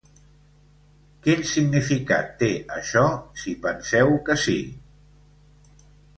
Quin significat té això si penseu que sí?